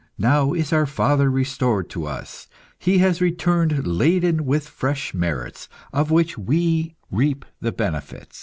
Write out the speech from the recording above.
Now is our father restored to us. He has returned laden with fresh merits, of which we reap the benefit.